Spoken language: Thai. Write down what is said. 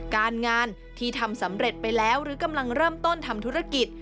การงานที่ทำสำเร็จไปแล้วหรือกำลังเริ่มต้นทำธุรกิจ